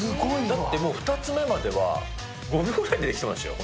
だってもう２つ目までは５秒ぐらいでできてましたよ。